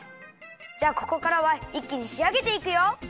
じゃあここからはいっきにしあげていくよ。